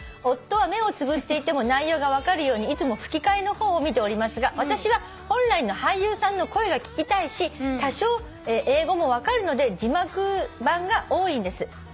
「夫は目をつぶっていても内容が分かるようにいつも吹き替えの方を見ておりますが私は本来の俳優さんの声が聞きたいし多少英語も分かるので字幕版が多いんです」